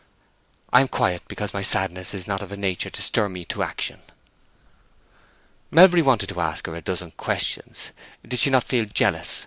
"I am quiet because my sadness is not of a nature to stir me to action." Melbury wanted to ask her a dozen questions—did she not feel jealous?